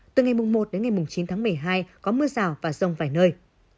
từ ngày mùng một đến ngày mùng chín tháng một mươi hai có mưa rào và rông vài nơi